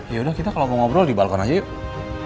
yaudah kita kalau mau ngobrol di balkon aja yuk